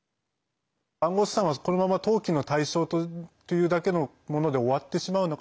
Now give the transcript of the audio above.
暗号資産は、このまま投機の対象というだけのもので終わってしまうのか